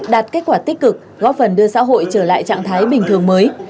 đạt kết quả tích cực góp phần đưa xã hội trở lại trạng thái bình thường mới